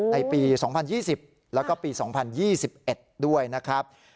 ในปี๒๐๒๐แล้วก็ปี๒๐๒๑ด้วยนะครับ